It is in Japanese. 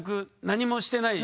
何にもしてない。